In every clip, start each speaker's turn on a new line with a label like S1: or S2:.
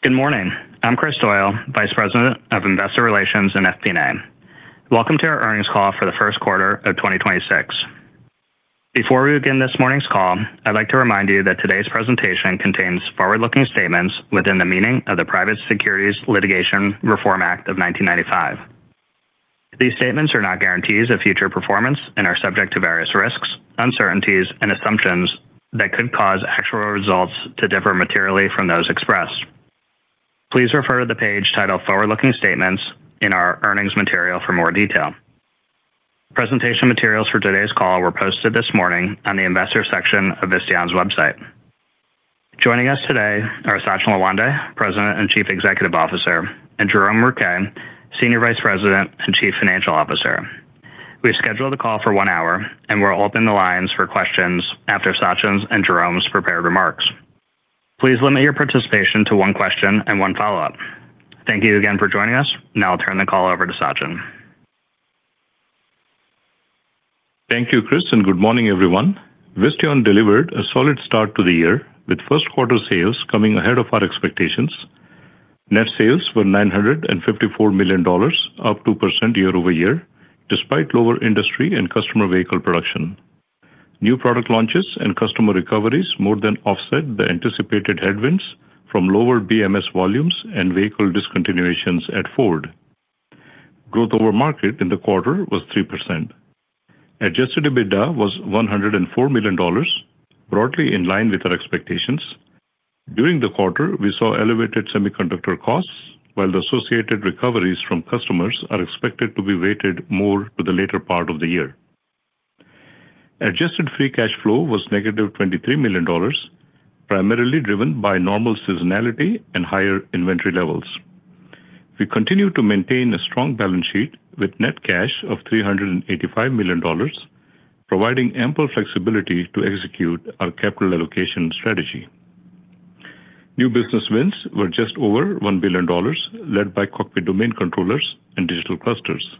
S1: Good morning. I'm Kris Doyle, Vice President of Investor Relations in FP&A. Welcome to our earnings call for the first quarter of 2026. Before we begin this morning's call, I'd like to remind you that today's presentation contains forward-looking statements within the meaning of the Private Securities Litigation Reform Act of 1995. These statements are not guarantees of future performance and are subject to various risks, uncertainties, and assumptions that could cause actual results to differ materially from those expressed. Please refer to the page titled "Forward-Looking Statements" in our earnings material for more detail. Presentation materials for today's call were posted this morning on the Investors section of Visteon's website. Joining us today are Sachin Lawande, President and Chief Executive Officer, and Jerome Rouquet, Senior Vice President and Chief Financial Officer. We've scheduled the call for one hour, and we'll open the lines for questions after Sachin's and Jerome's prepared remarks. Please limit your participation to one question and one follow-up. Thank you again for joining us. Now I'll turn the call over to Sachin.
S2: Thank you, Kris, and good morning, everyone. Visteon delivered a solid start to the year with first quarter sales coming ahead of our expectations. Net sales were $954 million, up 2% year-over-year, despite lower industry and customer vehicle production. New product launches and customer recoveries more than offset the anticipated headwinds from lower BMS volumes and vehicle discontinuations at Ford. Growth over market in the quarter was 3%. Adjusted EBITDA was $104 million, broadly in line with our expectations. During the quarter, we saw elevated semiconductor costs, while the associated recoveries from customers are expected to be weighted more to the later part of the year. Adjusted free cash flow was negative $23 million, primarily driven by normal seasonality and higher inventory levels. We continue to maintain a strong balance sheet with net cash of $385 million, providing ample flexibility to execute our capital allocation strategy. New business wins were just over $1 billion, led by cockpit domain controllers and digital clusters.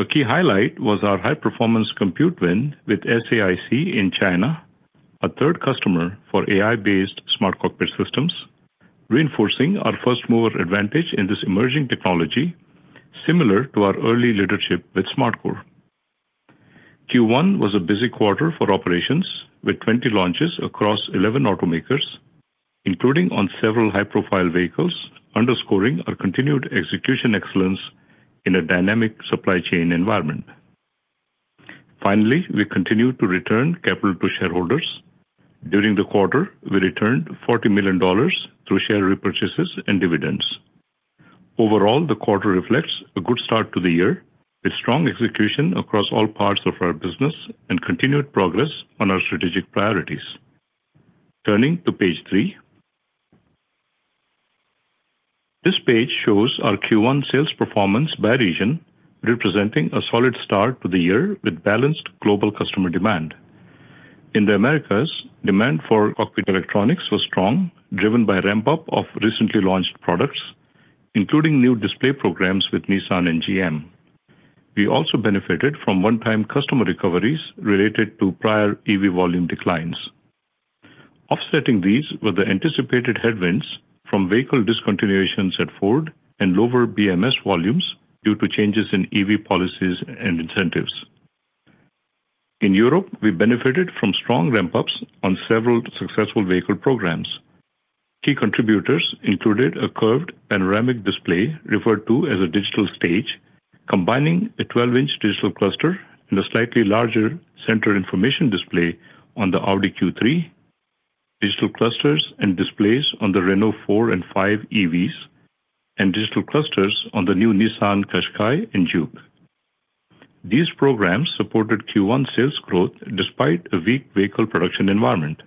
S2: A key highlight was our high-performance compute win with SAIC in China, a third customer for AI-based SmartCockpit systems, reinforcing our first-mover advantage in this emerging technology, similar to our early leadership with SmartCore. Q1 was a busy quarter for operations with 20 launches across 11 automakers, including on several high-profile vehicles, underscoring our continued execution excellence in a dynamic supply chain environment. Finally, we continued to return capital to shareholders. During the quarter, we returned $40 million through share repurchases and dividends. Overall, the quarter reflects a good start to the year with strong execution across all parts of our business and continued progress on our strategic priorities. Turning to page three. This page shows our Q1 sales performance by region, representing a solid start to the year with balanced global customer demand. In the Americas, demand for cockpit electronics was strong, driven by ramp-up of recently launched products, including new display programs with Nissan and GM. We also benefited from one-time customer recoveries related to prior EV volume declines. Offsetting these were the anticipated headwinds from vehicle discontinuations at Ford and lower BMS volumes due to changes in EV policies and incentives. In Europe, we benefited from strong ramp-ups on several successful vehicle programs. Key contributors included a curved panoramic display referred to as a digital stage, combining a 12-inch digital cluster and a slightly larger center information display on the Audi Q3, digital clusters and displays on the Renault 4 and 5 EVs, and digital clusters on the new Nissan Qashqai and Juke. These programs supported Q1 sales growth despite a weak vehicle production environment.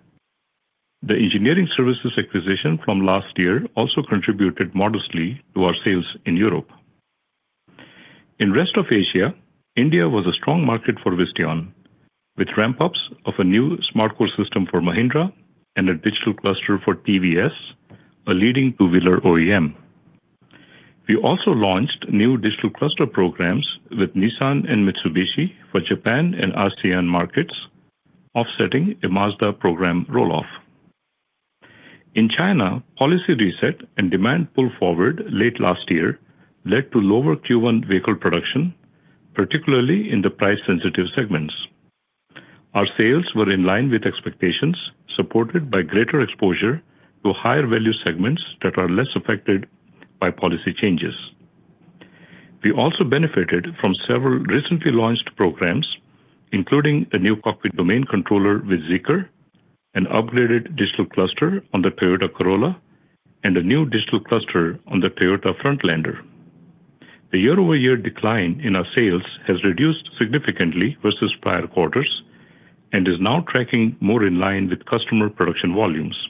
S2: The engineering services acquisition from last year also contributed modestly to our sales in Europe. In rest of Asia, India was a strong market for Visteon, with ramp-ups of a new SmartCore system for Mahindra and a digital cluster for TVS, a leading two-wheeler OEM. We also launched new digital cluster programs with Nissan and Mitsubishi for Japan and ASEAN markets, offsetting a Mazda program roll-off. In China, policy reset and demand pull forward late last year led to lower Q1 vehicle production, particularly in the price-sensitive segments. Our sales were in line with expectations, supported by greater exposure to higher-value segments that are less affected by policy changes. We also benefited from several recently launched programs, including a new cockpit domain controller with Zeekr, an upgraded digital cluster on the Toyota Corolla, and a new digital cluster on the Toyota Frontlander. The year-over-year decline in our sales has reduced significantly versus prior quarters and is now tracking more in line with customer production volumes.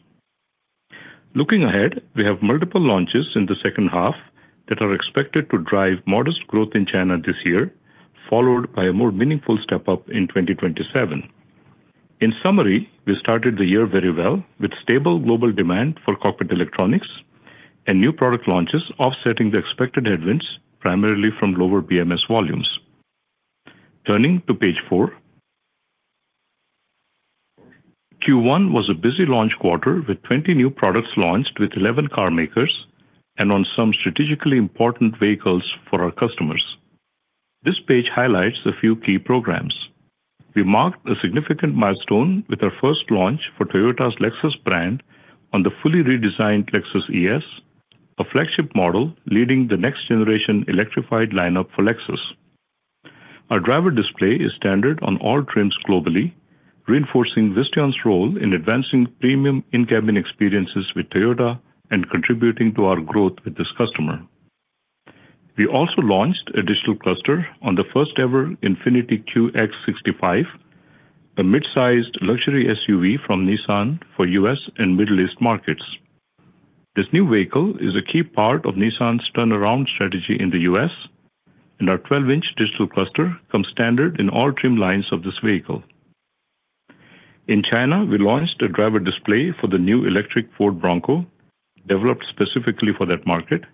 S2: Looking ahead, we have multiple launches in the second half that are expected to drive modest growth in China this year, followed by a more meaningful step-up in 2027. In summary, we started the year very well with stable global demand for cockpit electronics and new product launches offsetting the expected headwinds, primarily from lower BMS volumes. Turning to page 4. Q1 was a busy launch quarter with 20 new products launched with 11 car makers, and on some strategically important vehicles for our customers. This page highlights a few key programs. We marked a significant milestone with our first launch for Toyota's Lexus brand on the fully redesigned Lexus ES, a flagship model leading the next generation electrified lineup for Lexus. Our driver display is standard on all trims globally, reinforcing Visteon's role in advancing premium in-cabin experiences with Toyota, and contributing to our growth with this customer. We also launched a digital cluster on the first-ever Infiniti QX60, a mid-sized luxury SUV from Nissan for U.S. and Middle East markets. This new vehicle is a key part of Nissan's turnaround strategy in the U.S., and our 12-inch digital cluster comes standard in all trim lines of this vehicle. In China, we launched a driver display for the new electric Ford Bronco, developed specifically for that market.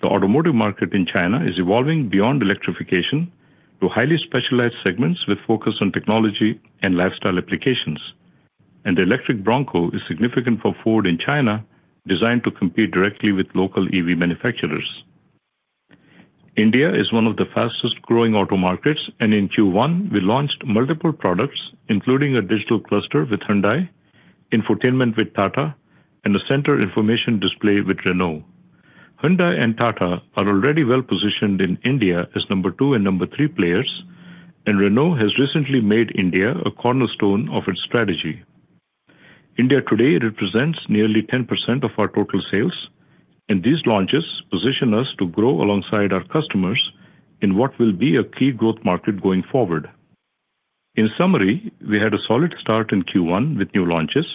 S2: The automotive market in China is evolving beyond electrification to highly specialized segments with focus on technology and lifestyle applications. The electric Bronco is significant for Ford in China, designed to compete directly with local EV manufacturers. India is one of the fastest-growing auto markets, and in Q1, we launched multiple products, including a digital cluster with Hyundai, infotainment with Tata, and a center information display with Renault. Hyundai and Tata are already well-positioned in India as number 2 and number 3 players, and Renault has recently made India a cornerstone of its strategy. India today represents nearly 10% of our total sales, and these launches position us to grow alongside our customers in what will be a key growth market going forward. In summary, we had a solid start in Q1 with new launches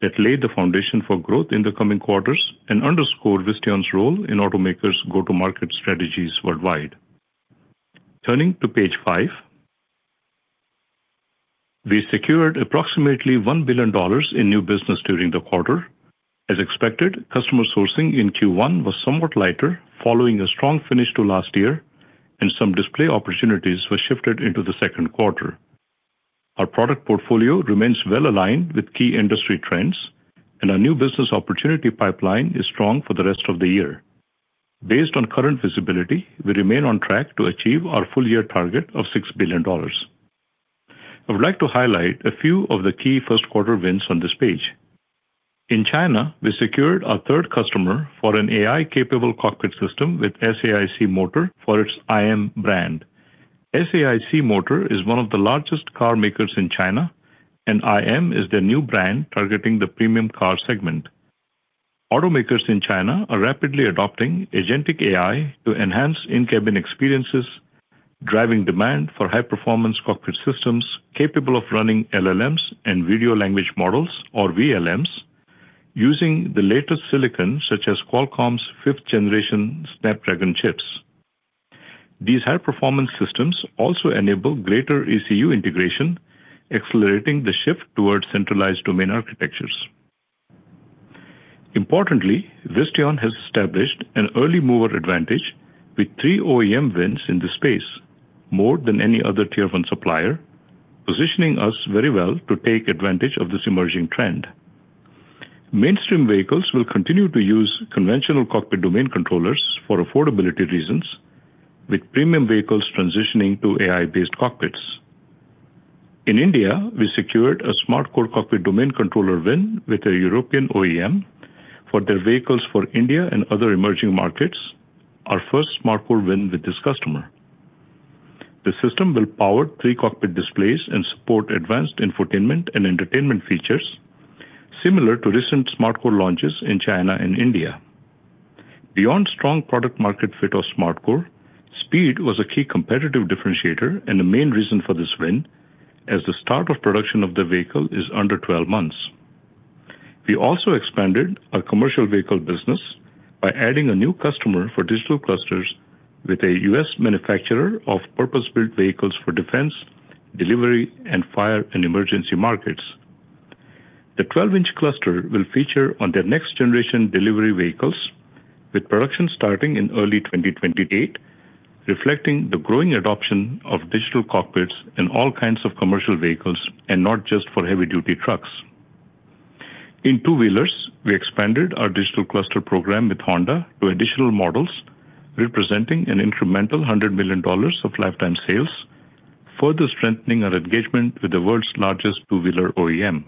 S2: that laid the foundation for growth in the coming quarters and underscored Visteon's role in automakers' go-to-market strategies worldwide. Turning to page five. We secured approximately $1 billion in new business during the quarter. As expected, customer sourcing in Q1 was somewhat lighter following a strong finish to last year, and some display opportunities were shifted into the second quarter. Our product portfolio remains well-aligned with key industry trends, and our new business opportunity pipeline is strong for the rest of the year. Based on current visibility, we remain on track to achieve our full-year target of $6 billion. I would like to highlight a few of the key first quarter wins on this page. In China, we secured our third customer for an AI-capable cockpit system with SAIC Motor for its IM brand. SAIC Motor is one of the largest car makers in China, and IM is their new brand targeting the premium car segment. Automakers in China are rapidly adopting agentic AI to enhance in-cabin experiences, driving demand for high-performance cockpit systems capable of running LLMs and vision language models, or VLMs, using the latest silicon, such as Qualcomm's fifth generation Snapdragon chips. These high-performance systems also enable greater ECU integration, accelerating the shift towards centralized domain architectures. Importantly, Visteon has established an early mover advantage with three OEM wins in this space, more than any other tier one supplier, positioning us very well to take advantage of this emerging trend. Mainstream vehicles will continue to use conventional cockpit domain controllers for affordability reasons, with premium vehicles transitioning to AI-based cockpits. In India, we secured a SmartCore cockpit domain controller win with a European OEM for their vehicles for India and other emerging markets, our first SmartCore win with this customer. The system will power three cockpit displays and support advanced infotainment and entertainment features, similar to recent SmartCore launches in China and India. Beyond strong product-market fit of SmartCore, speed was a key competitive differentiator and the main reason for this win, as the start of production of the vehicle is under 12 months. We also expanded our commercial vehicle business by adding a new customer for digital clusters with a U.S. manufacturer of purpose-built vehicles for defense, delivery, and fire and emergency markets. The 12-inch cluster will feature on their next generation delivery vehicles, with production starting in early 2028, reflecting the growing adoption of digital cockpits in all kinds of commercial vehicles, and not just for heavy-duty trucks. In two-wheelers, we expanded our digital cluster program with Honda to additional models representing an incremental $100 million of lifetime sales, further strengthening our engagement with the world's largest two-wheeler OEM.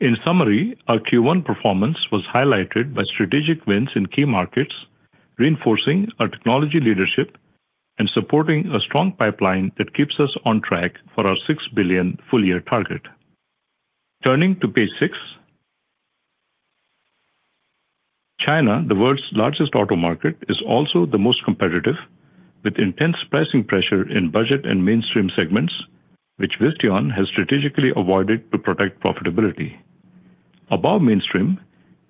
S2: In summary, our Q1 performance was highlighted by strategic wins in key markets, reinforcing our technology leadership, and supporting a strong pipeline that keeps us on track for our $6 billion full-year target. Turning to page six. China, the world's largest auto market, is also the most competitive, with intense pricing pressure in budget and mainstream segments, which Visteon has strategically avoided to protect profitability. Above mainstream,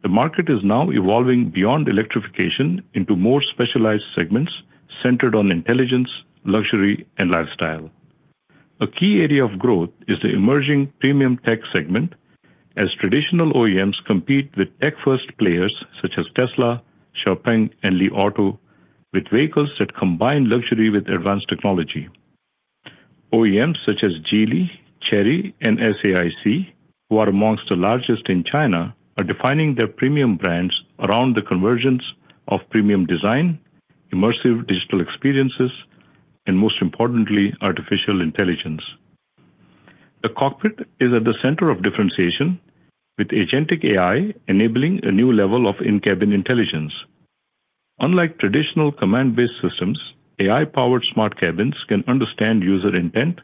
S2: the market is now evolving beyond electrification into more specialized segments centered on intelligence, luxury, and lifestyle. A key area of growth is the emerging premium tech segment. As traditional OEMs compete with tech-first players such as Tesla, XPeng, and Li Auto, with vehicles that combine luxury with advanced technology. OEMs such as Geely, Chery, and SAIC, who are among the largest in China, are defining their premium brands around the convergence of premium design, immersive digital experiences, and most importantly, artificial intelligence. The cockpit is at the center of differentiation with agentic AI enabling a new level of in-cabin intelligence. Unlike traditional command-based systems, AI-powered smart cabins can understand user intent,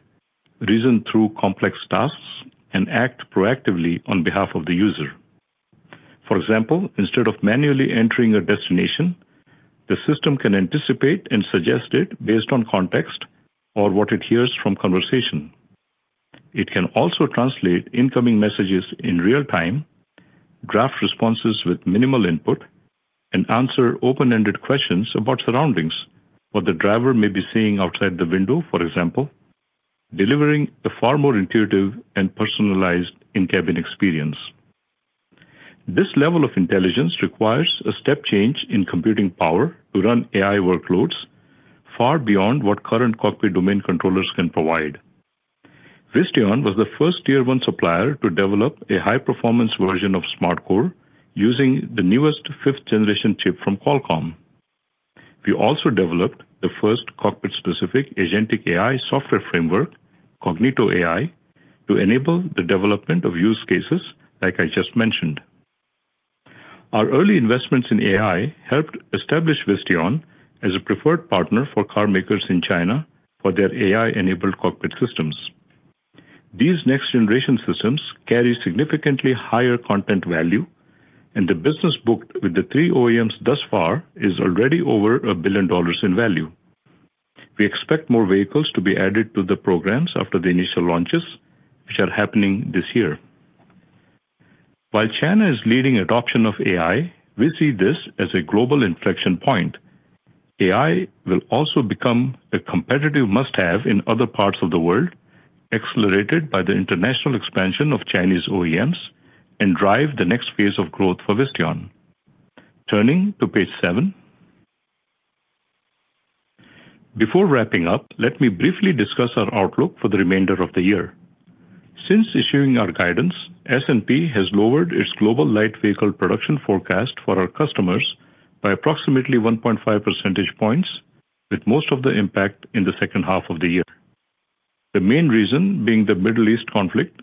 S2: reason through complex tasks, and act proactively on behalf of the user. For example, instead of manually entering a destination, the system can anticipate and suggest it based on context or what it hears from conversation. It can also translate incoming messages in real time, draft responses with minimal input, and answer open-ended questions about surroundings, what the driver may be seeing outside the window, for example, delivering a far more intuitive and personalized in-cabin experience. This level of intelligence requires a step change in computing power to run AI workloads far beyond what current cockpit domain controllers can provide. Visteon was the first Tier 1 supplier to develop a high-performance version of SmartCore using the newest fifth-generation chip from Qualcomm. We also developed the first cockpit-specific agentic AI software framework, Cognito AI, to enable the development of use cases like I just mentioned. Our early investments in AI helped establish Visteon as a preferred partner for car makers in China for their AI-enabled cockpit systems. These next-generation systems carry significantly higher content value, and the business booked with the three OEMs thus far is already over $1 billion in value. We expect more vehicles to be added to the programs after the initial launches, which are happening this year. While China is leading adoption of AI, we see this as a global inflection point. AI will also become a competitive must-have in other parts of the world, accelerated by the international expansion of Chinese OEMs and drive the next phase of growth for Visteon. Turning to page seven. Before wrapping up, let me briefly discuss our outlook for the remainder of the year. Since issuing our guidance, S&P has lowered its global light vehicle production forecast for our customers by approximately 1.5 percentage points, with most of the impact in the second half of the year. The main reason being the Middle East conflict,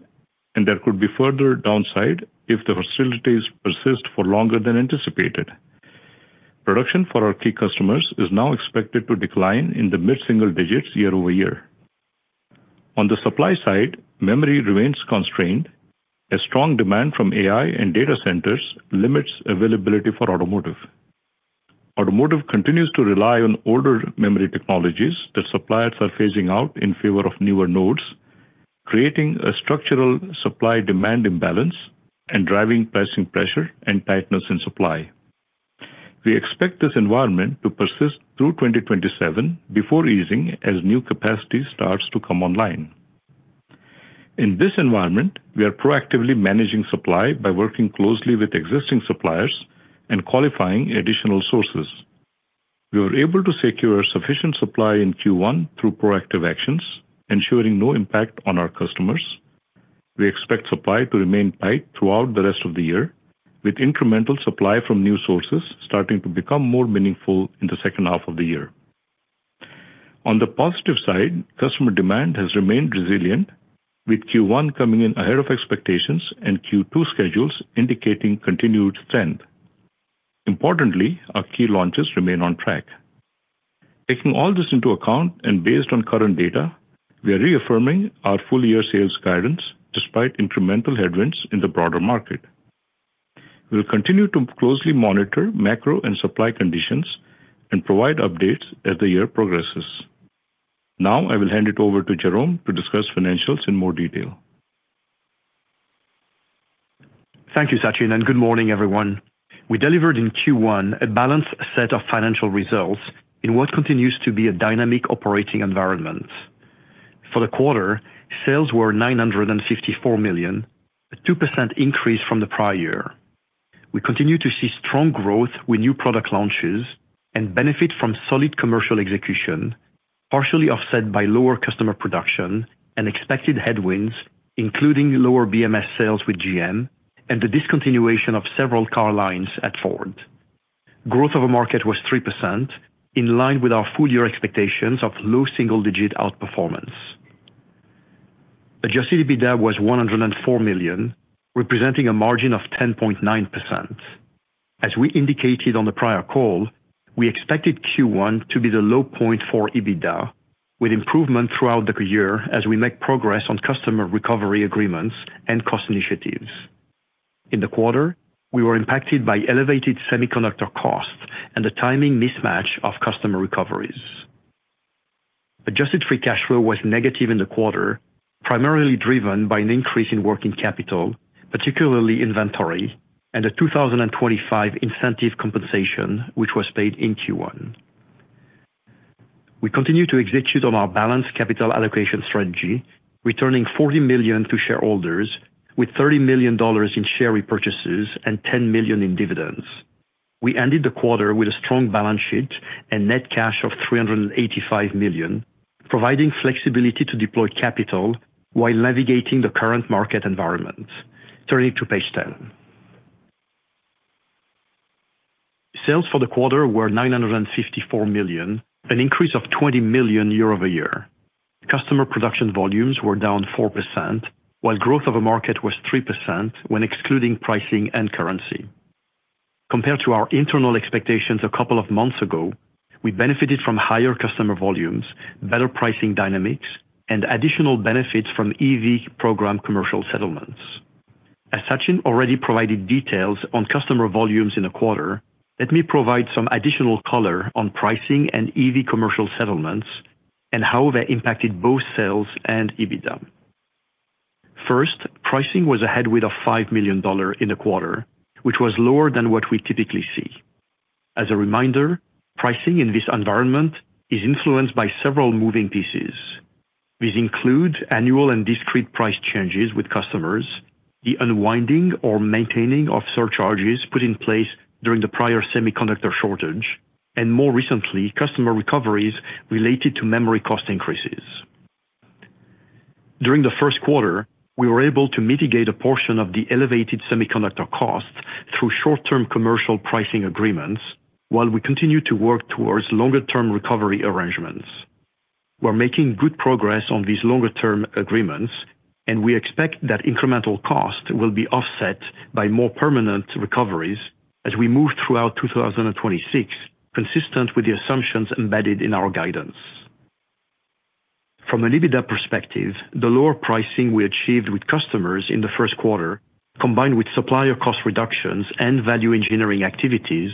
S2: and there could be further downside if the hostilities persist for longer than anticipated. Production for our key customers is now expected to decline in the mid-single digits year-over-year. On the supply side, memory remains constrained as strong demand from AI and data centers limits availability for automotive. Automotive continues to rely on older memory technologies that suppliers are phasing out in favor of newer nodes, creating a structural supply-demand imbalance and driving pricing pressure and tightness in supply. We expect this environment to persist through 2027 before easing as new capacity starts to come online. In this environment, we are proactively managing supply by working closely with existing suppliers and qualifying additional sources. We were able to secure sufficient supply in Q1 through proactive actions, ensuring no impact on our customers. We expect supply to remain tight throughout the rest of the year, with incremental supply from new sources starting to become more meaningful in the second half of the year. On the positive side, customer demand has remained resilient, with Q1 coming in ahead of expectations and Q2 schedules indicating continued strength. Importantly, our key launches remain on track. Taking all this into account and based on current data, we are reaffirming our full-year sales guidance despite incremental headwinds in the broader market. We'll continue to closely monitor macro and supply conditions and provide updates as the year progresses. Now I will hand it over to Jerome to discuss financials in more detail.
S3: Thank you, Sachin, and good morning, everyone. We delivered in Q1 a balanced set of financial results in what continues to be a dynamic operating environment. For the quarter, sales were $954 million, a 2% increase from the prior year. We continue to see strong growth with new product launches and benefit from solid commercial execution, partially offset by lower customer production and expected headwinds, including lower BMS sales with GM and the discontinuation of several car lines at Ford. Growth over market was 3%, in line with our full-year expectations of low double-digit outperformance. Adjusted EBITDA was $104 million, representing a margin of 10.9%. We indicated on the prior call we expected Q1 to be the low point for EBITDA, with improvement throughout the year as we make progress on customer recovery agreements and cost initiatives. In the quarter, we were impacted by elevated semiconductor costs and the timing mismatch of customer recoveries. Adjusted free cash flow was negative in the quarter, primarily driven by an increase in working capital, particularly inventory, and a 2025 incentive compensation, which was paid in Q1. We continue to execute on our balanced capital allocation strategy, returning $40 million to shareholders with $30 million in share repurchases and $10 million in dividends. We ended the quarter with a strong balance sheet and net cash of $385 million, providing flexibility to deploy capital while navigating the current market environment. Turning to page 10. Sales for the quarter were $954 million, an increase of $20 million year over year. Customer production volumes were down 4%, while growth over market was 3% when excluding pricing and currency. Compared to our internal expectations a couple of months ago, we benefited from higher customer volumes, better pricing dynamics, and additional benefits from EV program commercial settlements. As Sachin already provided details on customer volumes in the quarter, let me provide some additional color on pricing and EV commercial settlements and how they impacted both sales and EBITDA. First, pricing was a headwind of $5 million in the quarter, which was lower than what we typically see. As a reminder, pricing in this environment is influenced by several moving pieces. These include annual and discrete price changes with customers, the unwinding or maintaining of surcharges put in place during the prior semiconductor shortage, and more recently, customer recoveries related to memory cost increases. During the first quarter, we were able to mitigate a portion of the elevated semiconductor costs through short-term commercial pricing agreements while we continue to work towards longer-term recovery arrangements. We're making good progress on these longer-term agreements, and we expect that incremental costs will be offset by more permanent recoveries as we move throughout 2026, consistent with the assumptions embedded in our guidance. From an EBITDA perspective, the lower pricing we achieved with customers in the first quarter, combined with supplier cost reductions and value engineering activities,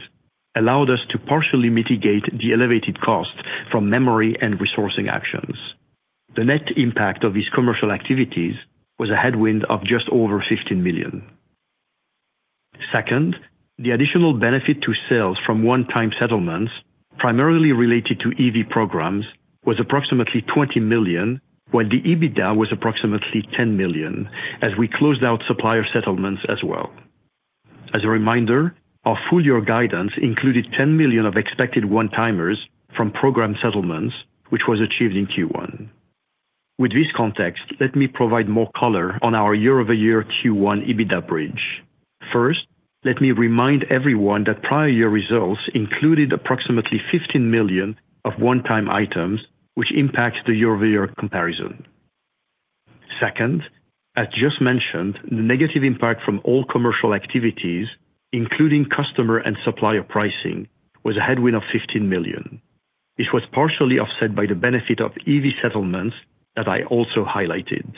S3: allowed us to partially mitigate the elevated cost from memory and resourcing actions. The net impact of these commercial activities was a headwind of just over $15 million. Second, the additional benefit to sales from one-time settlements, primarily related to EV programs, was approximately $20 million, while the EBITDA was approximately $10 million as we closed out supplier settlements as well. As a reminder, our full-year guidance included $10 million of expected one-timers from program settlements, which was achieved in Q1. With this context, let me provide more color on our year-over-year Q1 EBITDA bridge. First, let me remind everyone that prior year results included approximately $15 million of one-time items, which impacts the year-over-year comparison. Second, as just mentioned, the negative impact from all commercial activities, including customer and supplier pricing, was a headwind of $15 million, which was partially offset by the benefit of EV settlements, as I also highlighted.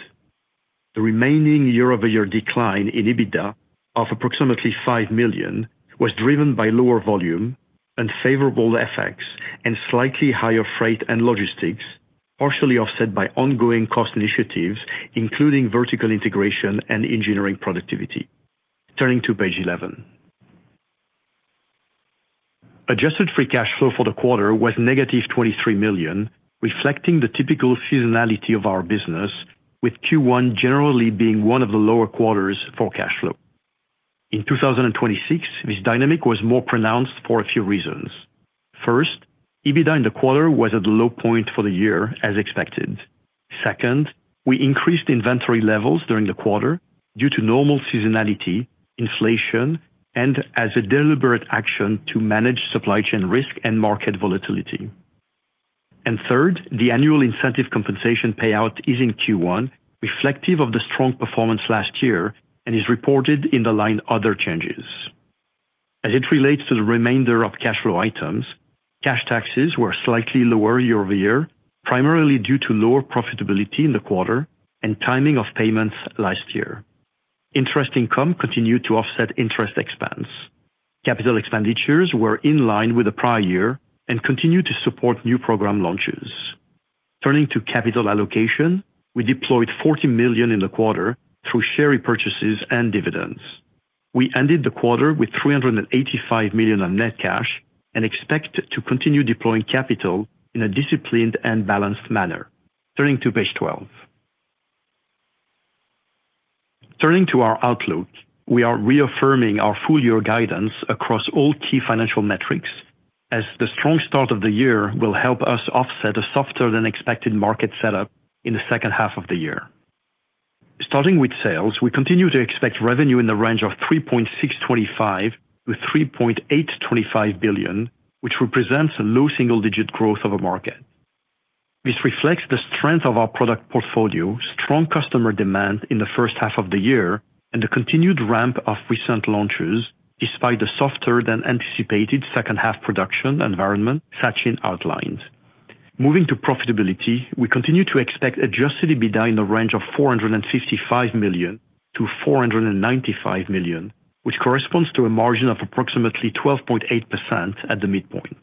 S3: The remaining year-over-year decline in EBITDA of approximately $5 million was driven by lower volume and favorable FX, and slightly higher freight and logistics, partially offset by ongoing cost initiatives, including vertical integration and engineering productivity. Turning to page 11. Adjusted free cash flow for the quarter was negative $23 million, reflecting the typical seasonality of our business, with Q1 generally being one of the lower quarters for cash flow. In 2026, this dynamic was more pronounced for a few reasons. First, EBITDA in the quarter was at the low point for the year, as expected. Second, we increased inventory levels during the quarter due to normal seasonality, inflation, and as a deliberate action to manage supply chain risk and market volatility. Third, the annual incentive compensation payout is in Q1, reflective of the strong performance last year and is reported in the line other changes. As it relates to the remainder of cash flow items, cash taxes were slightly lower year-over-year, primarily due to lower profitability in the quarter and timing of payments last year. Interest income continued to offset interest expense. Capital expenditures were in line with the prior year and continue to support new program launches. Turning to capital allocation, we deployed $40 million in the quarter through share repurchases and dividends. We ended the quarter with $385 million on net cash and expect to continue deploying capital in a disciplined and balanced manner. Turning to page 12. Turning to our outlook, we are reaffirming our full-year guidance across all key financial metrics as the strong start of the year will help us offset a softer-than-expected market setup in the second half of the year. Starting with sales, we continue to expect revenue in the range of $3.625-$3.825 billion, which represents a low single-digit growth over market. This reflects the strength of our product portfolio, strong customer demand in the first half of the year, and the continued ramp of recent launches despite the softer than anticipated second half production environment Sachin outlined. Moving to profitability, we continue to expect adjusted EBITDA in the range of $455 million-$495 million, which corresponds to a margin of approximately 12.8% at the midpoint.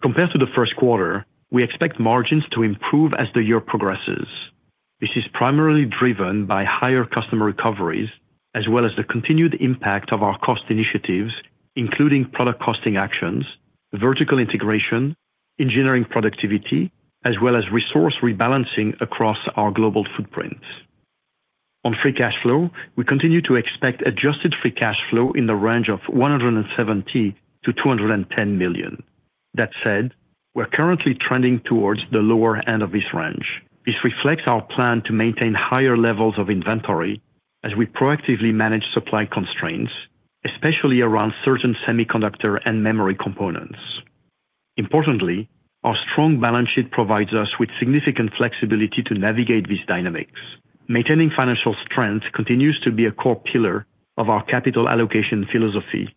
S3: Compared to the first quarter, we expect margins to improve as the year progresses. This is primarily driven by higher customer recoveries as well as the continued impact of our cost initiatives, including product costing actions, vertical integration, engineering productivity, as well as resource rebalancing across our global footprints. On free cash flow, we continue to expect adjusted free cash flow in the range of $170 million-$210 million. That said, we're currently trending towards the lower end of this range. This reflects our plan to maintain higher levels of inventory as we proactively manage supply constraints, especially around certain semiconductor and memory components. Importantly, our strong balance sheet provides us with significant flexibility to navigate these dynamics. Maintaining financial strength continues to be a core pillar of our capital allocation philosophy,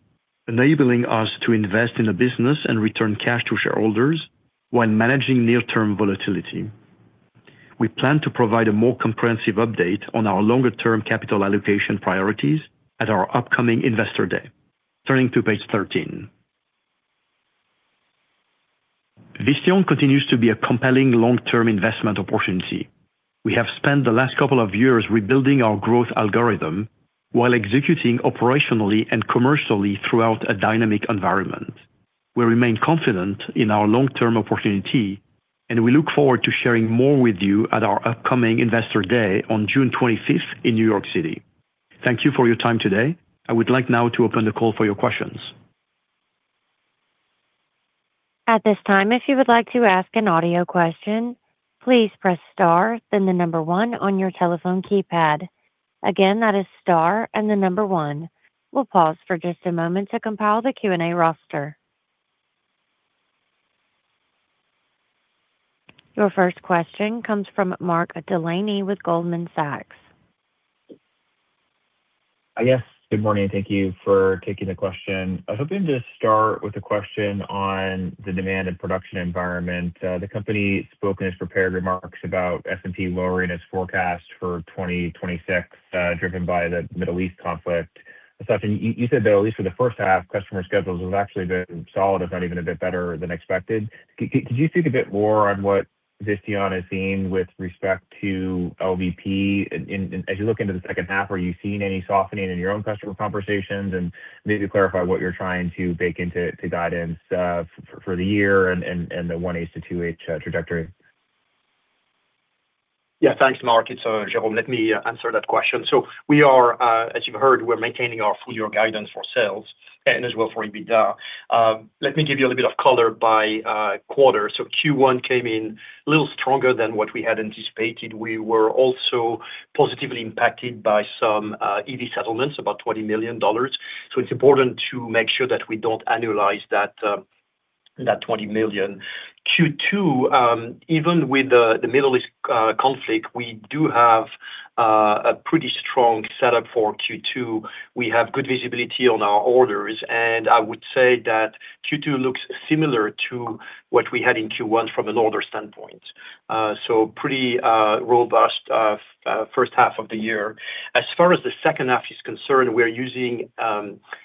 S3: enabling us to invest in the business and return cash to shareholders while managing near-term volatility. We plan to provide a more comprehensive update on our longer-term capital allocation priorities at our upcoming Investor Day. Turning to page 13. Visteon continues to be a compelling long-term investment opportunity. We have spent the last couple of years rebuilding our growth algorithm while executing operationally and commercially throughout a dynamic environment. We remain confident in our long-term opportunity, and we look forward to sharing more with you at our upcoming Investor Day on June 25th in New York City. Thank you for your time today. I would like now to open the call for your questions.
S4: Your first question comes from Mark Delaney with Goldman Sachs.
S5: Yes. Good morning. Thank you for taking the question. I was hoping to start with a question on the demand and production environment. The company spoke in its prepared remarks about S&P lowering its forecast for 2026, driven by the Middle East conflict. Sachin, you said, though, at least for the first half, customer schedules have actually been solid, if not even a bit better than expected. Could you speak a bit more on what Visteon is seeing with respect to LVP? As you look into the second half, are you seeing any softening in your own customer conversations? And maybe clarify what you're trying to bake into guidance for the year and the 1H to 2H trajectory.
S3: Yeah. Thanks, Mark. It's Jerome. Let me answer that question. We are, as you heard, we're maintaining our full-year guidance for sales and as well for EBITDA. Let me give you a little bit of color by quarter. Q1 came in a little stronger than what we had anticipated. We were also positively impacted by some EV settlements, about $20 million. It's important to make sure that we don't annualize that $20 million. Q2, even with the Middle East conflict, we do have a pretty strong setup for Q2. We have good visibility on our orders, and I would say that Q2 looks similar to what we had in Q1 from an order standpoint. Pretty robust first half of the year. As far as the second half is concerned, we are using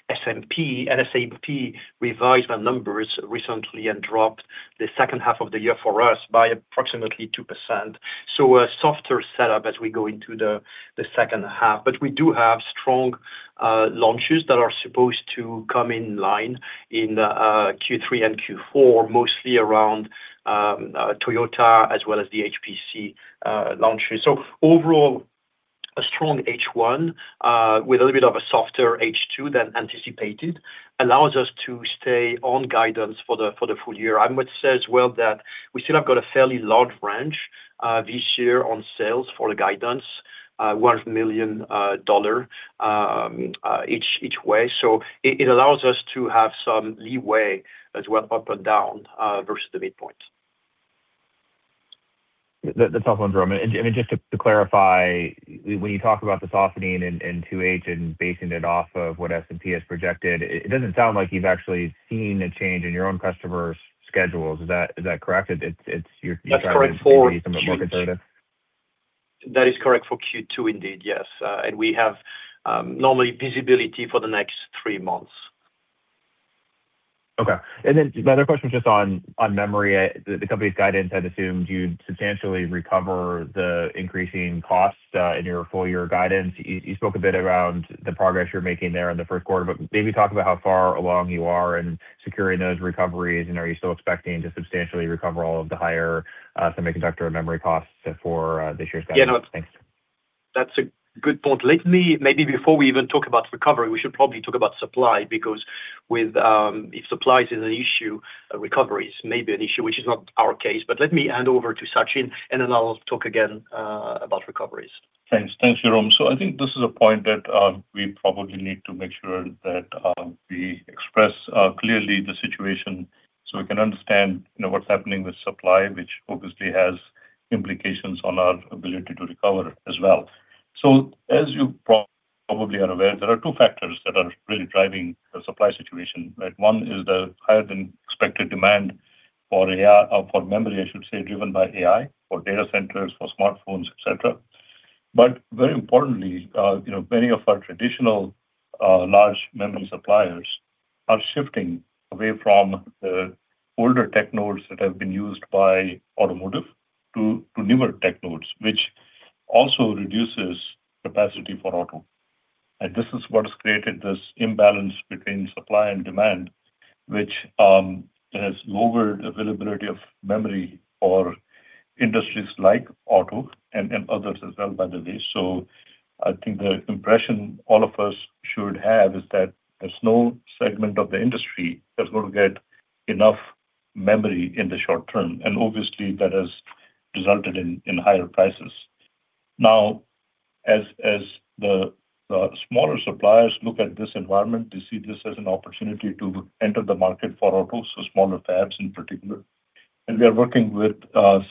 S3: S&P. S&P revised their numbers recently and dropped the second half of the year for us by approximately 2%. A softer setup as we go into the second half. We do have strong launches that are supposed to come in line in Q3 and Q4, mostly around Toyota as well as the HPC launches. Overall, a strong H1 with a little bit of a softer H2 than anticipated allows us to stay on guidance for the full year. I would say as well that we still have got a fairly large range this year on sales for the guidance, $100 million each way. It allows us to have some leeway as well, up and down versus the midpoint.
S5: That's helpful, Jerome. Just to clarify, when you talk about the softening in 2H and basing it off of what S&P has projected, it doesn't sound like you've actually seen a change in your own customers' schedules. Is that correct? You're trying-
S3: That is correct for Q2.
S5: To be somewhat conservative.
S3: That is correct for Q2. Indeed, yes. We have normal visibility for the next three months.
S5: Okay. My other question was just on memory. The company's guidance had assumed you'd substantially recover the increasing costs in your full year guidance. You spoke a bit around the progress you're making there in the first quarter, but maybe talk about how far along you are in securing those recoveries, and are you still expecting to substantially recover all of the higher semiconductor and memory costs for this year's guidance? Thanks.
S3: That's a good point. Maybe before we even talk about recovery, we should probably talk about supply, because if supply is an issue, recovery is maybe an issue, which is not our case. Let me hand over to Sachin, and then I'll talk again about recoveries.
S2: Thanks, Jerome. I think this is a point that we probably need to make sure that we express clearly the situation so we can understand what's happening with supply, which obviously has implications on our ability to recover as well. As you probably are aware, there are two factors that are really driving the supply situation. One is the higher than expected demand for memory, I should say, driven by AI, for data centers, for smartphones, et cetera. Very importantly, many of our traditional large memory suppliers are shifting away from the older tech nodes that have been used by automotive to newer tech nodes, which also reduces capacity for auto. This is what has created this imbalance between supply and demand, which has lowered availability of memory for industries like auto and others as well, by the way. I think the impression all of us should have is that there's no segment of the industry that will get enough memory in the short term, and obviously that has resulted in higher prices. Now, as the smaller suppliers look at this environment, they see this as an opportunity to enter the market for autos, so smaller fabs in particular. We are working with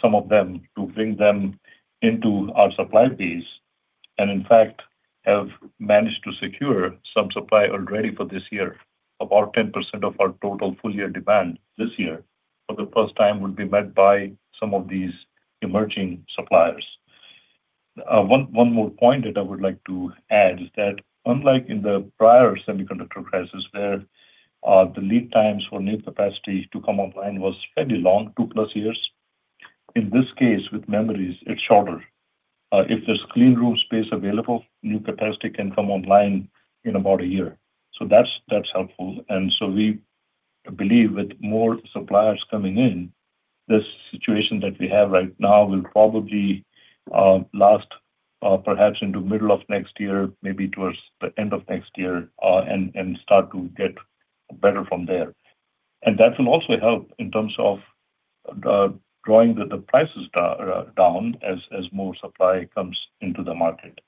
S2: some of them to bring them into our supply base, and in fact, have managed to secure some supply already for this year. About 10% of our total full-year demand this year, for the first time, will be met by some of these emerging suppliers. One more point that I would like to add is that unlike in the prior semiconductor crisis where the lead times for new capacity to come online was fairly long, 2+ years, in this case, with memories, it's shorter. If there's clean room space available, new capacity can come online in about a year. That's helpful, and so we believe with more suppliers coming in, this situation that we have right now will probably last perhaps into middle of next year, maybe towards the end of next year, and start to get better from there. That will also help in terms of drawing the prices down as more supply comes into the market.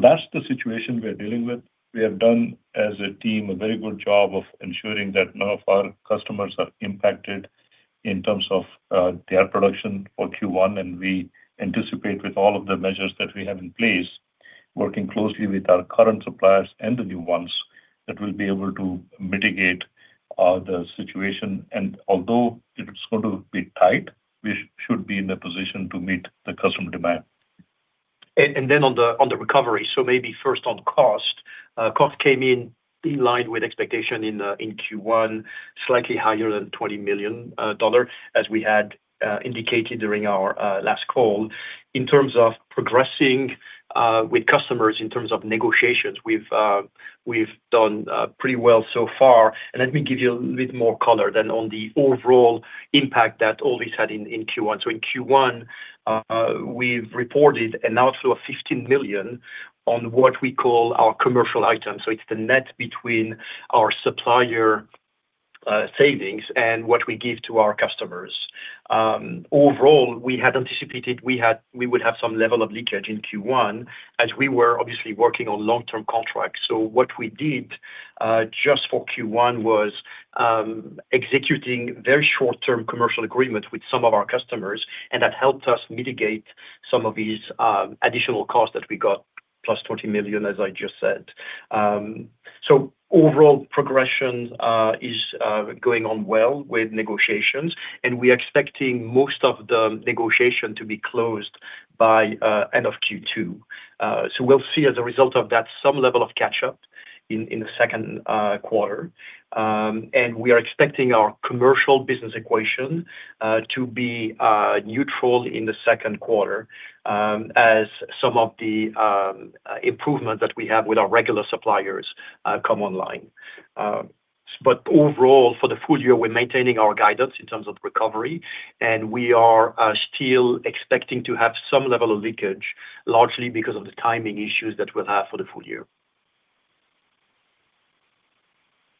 S2: That's the situation we're dealing with. We have done, as a team, a very good job of ensuring that none of our customers are impacted in terms of their production for Q1, and we anticipate with all of the measures that we have in place, working closely with our current suppliers and the new ones, that we'll be able to mitigate the situation. Although it's going to be tight, we should be in the position to meet the customer demand.
S3: Then on the recovery, so maybe first on cost. Cost came in in line with expectation in Q1, slightly higher than $20 million, as we had indicated during our last call. In terms of progressing with customers in terms of negotiations, we've done pretty well so far. Let me give you a little bit more color than on the overall impact that all this had in Q1. In Q1, we've reported an outflow of $15 million on what we call our commercial items. It's the net between our supplier savings and what we give to our customers. Overall, we had anticipated we would have some level of leakage in Q1 as we were obviously working on long-term contracts. What we did, just for Q1, was executing very short-term commercial agreements with some of our customers, and that helped us mitigate some of these additional costs that we got, $20 million, as I just said. Overall progression is going on well with negotiations, and we are expecting most of the negotiation to be closed by end of Q2. We'll see as a result of that, some level of catch-up in the second quarter. We are expecting our commercial business equation to be neutral in the second quarter as some of the improvements that we have with our regular suppliers come online. Overall, for the full year, we're maintaining our guidance in terms of recovery, and we are still expecting to have some level of leakage, largely because of the timing issues that we'll have for the full year.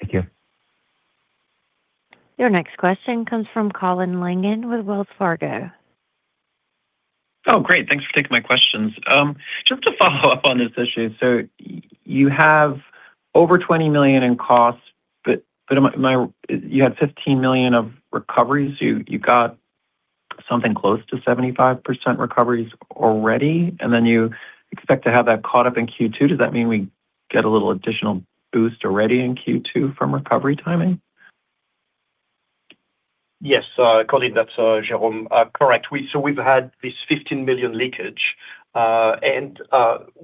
S5: Thank you.
S4: Your next question comes from Colin Langan with Wells Fargo.
S6: Oh, great. Thanks for taking my questions. Just to follow up on this issue. You have over $20 million in costs, but you had $15 million of recoveries. You got something close to 75% recoveries already, and then you expect to have that caught up in Q2. Does that mean we get a little additional boost already in Q2 from recovery timing?
S3: Yes, Colin, that's Jerome. Correct. We've had this $15 million leakage, and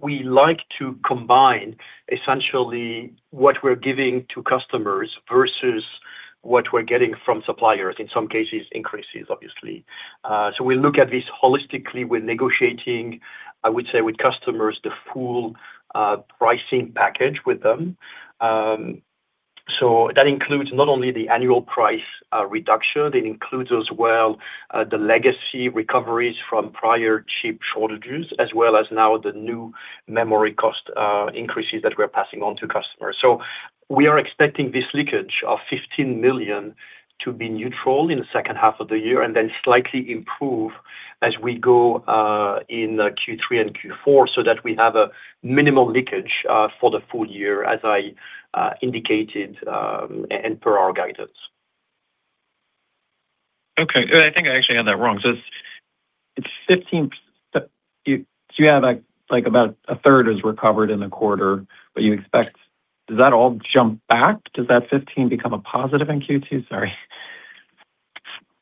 S3: we like to combine essentially what we're giving to customers versus what we're getting from suppliers, in some cases, increases, obviously. We look at this holistically with negotiating, I would say, with customers, the full pricing package with them. That includes not only the annual price reduction, it includes as well the legacy recoveries from prior chip shortages, as well as now the new memory cost increases that we're passing on to customers. We are expecting this leakage of $15 million to be neutral in the second half of the year and then slightly improve as we go in Q3 and Q4 so that we have a minimal leakage for the full year, as I indicated, and per our guidance.
S6: Okay. I think I actually had that wrong. You have about a third is recovered in the quarter, but does that all jump back? Does that 15 become a positive in Q2? Sorry.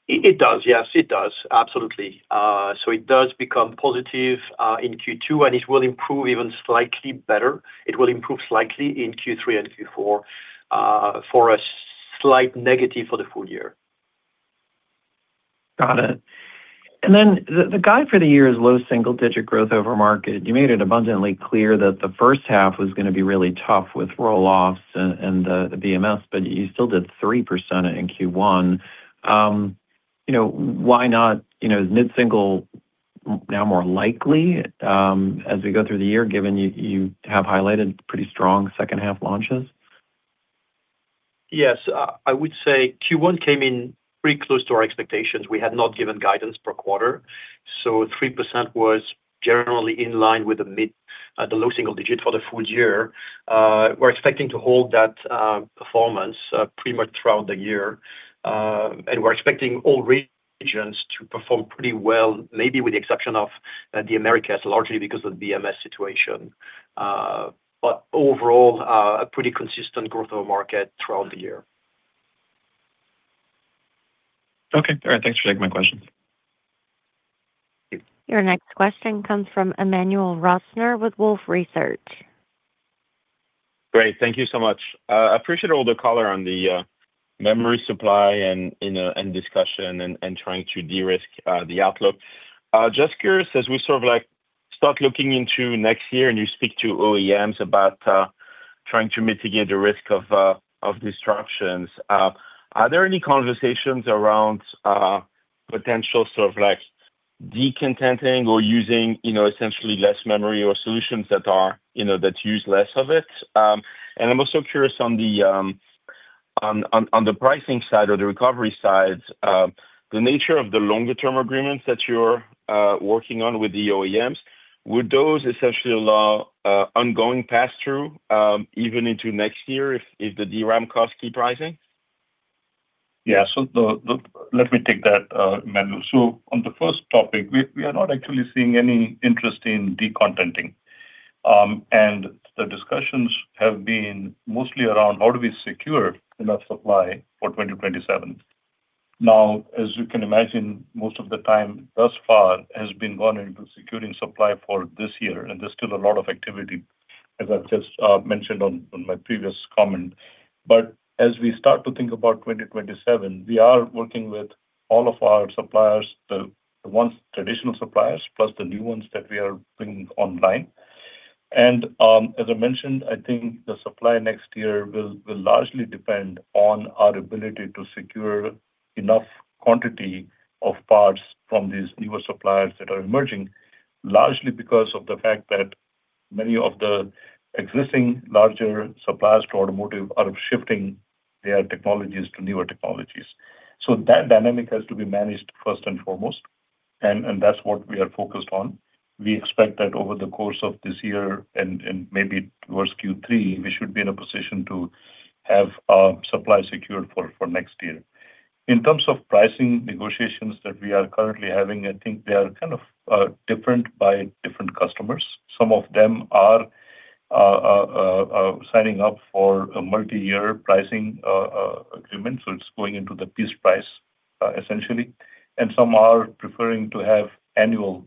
S3: It does, yes. It does, absolutely. It does become positive in Q2, and it will improve even slightly better. It will improve slightly in Q3 and Q4, for a slight negative for the full year.
S6: Got it. The guide for the year is low single digit growth over market. You made it abundantly clear that the first half was going to be really tough with roll-offs and the BMS, but you still did 3% in Q1. Is mid-single now more likely as we go through the year, given you have highlighted pretty strong second half launches?
S3: Yes. I would say Q1 came in pretty close to our expectations. We had not given guidance per quarter, so 3% was generally in line with the low single digit for the full year. We're expecting to hold that performance pretty much throughout the year. We're expecting all regions to perform pretty well, maybe with the exception of the Americas, largely because of the BMS situation. Overall, a pretty consistent growth over market throughout the year.
S6: Okay. All right. Thanks for taking my questions.
S4: Your next question comes from Emmanuel Rosner with Wolfe Research.
S7: Great. Thank you so much. I appreciate all the color on the memory supply and discussion and trying to de-risk the outlook. Just curious, as we sort of start looking into next year and you speak to OEMs about trying to mitigate the risk of disruptions, are there any conversations around potential de-contenting or using essentially less memory or solutions that use less of it? I'm also curious on the pricing side or the recovery side, the nature of the longer term agreements that you're working on with the OEMs, would those essentially allow ongoing passthrough even into next year if the DRAM costs keep rising?
S2: Yeah. Let me take that, Emmanuel. On the first topic, we are not actually seeing any interest in de-contenting. The discussions have been mostly around how do we secure enough supply for 2027. Now, as you can imagine, most of the time thus far has been gone into securing supply for this year, and there's still a lot of activity, as I've just mentioned on my previous comment. As we start to think about 2027, we are working with all of our suppliers, the ones traditional suppliers, plus the new ones that we are bringing online. As I mentioned, I think the supply next year will largely depend on our ability to secure enough quantity of parts from these newer suppliers that are emerging, largely because of the fact that many of the existing larger suppliers to automotive are shifting their technologies to newer technologies. That dynamic has to be managed first and foremost, and that's what we are focused on. We expect that over the course of this year and maybe towards Q3, we should be in a position to have our supply secured for next year. In terms of pricing negotiations that we are currently having, I think they are kind of different by different customers. Some of them are signing up for a multi-year pricing agreement, so it's going into the piece price, essentially, and some are preferring to have annual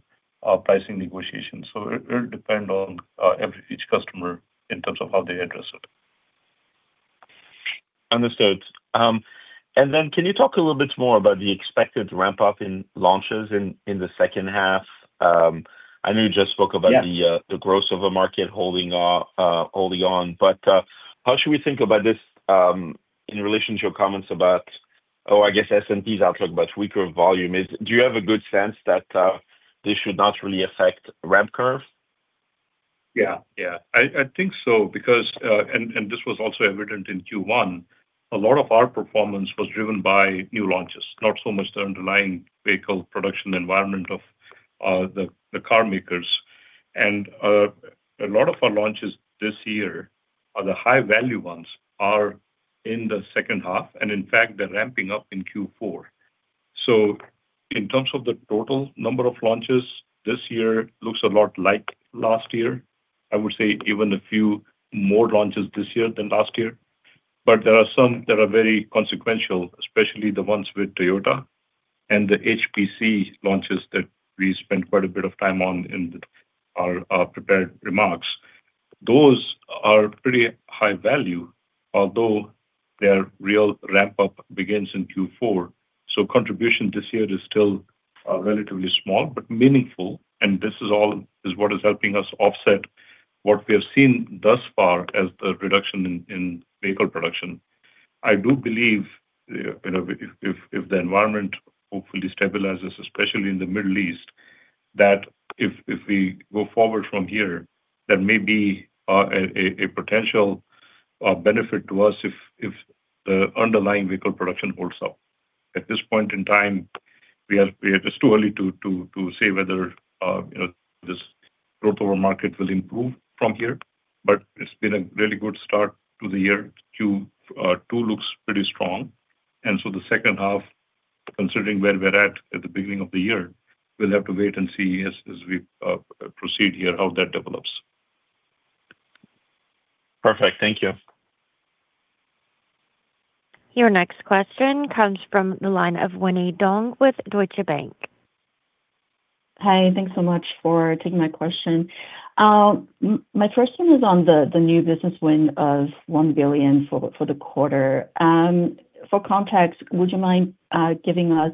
S2: pricing negotiations. It will depend on each customer in terms of how they address it.
S7: Understood. Can you talk a little bit more about the expected ramp-up in launches in the second half?
S2: Yeah...
S7: the growth of a market holding on, but how should we think about this in relation to your comments about, or I guess, S&P's outlook about weaker volume is? Do you have a good sense that this should not really affect ramp curves?
S2: Yeah. I think so because this was also evident in Q1. A lot of our performance was driven by new launches, not so much the underlying vehicle production environment of the car makers. A lot of our launches this year are the high-value ones, are in the second half, and in fact, they're ramping up in Q4. In terms of the total number of launches, this year looks a lot like last year. I would say even a few more launches this year than last year. There are some that are very consequential, especially the ones with Toyota and the HPC launches that we spent quite a bit of time on in our prepared remarks. Those are pretty high value, although their real ramp-up begins in Q4, so contribution this year is still relatively small but meaningful, and this is what is helping us offset what we have seen thus far as the reduction in vehicle production. I do believe, if the environment hopefully stabilizes, especially in the Middle East, that if we go forward from here, there may be a potential benefit to us if the underlying vehicle production holds up. At this point in time, it's too early to say whether this growth over market will improve from here, but it's been a really good start to the year. Q2 looks pretty strong, and so the second half, considering where we're at the beginning of the year, we'll have to wait and see as we proceed here how that develops.
S7: Perfect. Thank you.
S4: Your next question comes from the line of Winnie Dong with Deutsche Bank.
S8: Hi. Thanks so much for taking my question. My first one is on the new business win of $1 billion for the quarter. For context, would you mind giving us